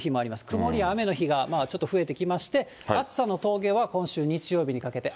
曇りや雨の日がちょっと増えてきまして、暑さの峠は今週日曜日にかけて。